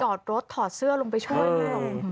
จอดรถถอดเสื้อลงไปช่วย